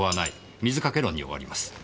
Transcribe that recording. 水掛け論に終わります。